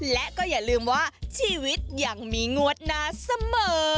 และก็อย่าลืมว่าชีวิตยังมีงวดหน้าเสมอ